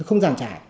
không giảm trải